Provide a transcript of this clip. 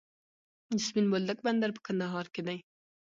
د سپین بولدک بندر په کندهار کې دی